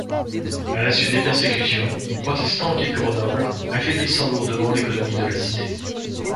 À la suite des persécutions, protestants quittent Grenoble, affaiblissant lourdement l’économie de la cité.